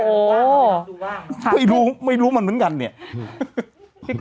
ดูว่างไม่รู้ไม่รู้มันเหมือนกันเนี่ยอืม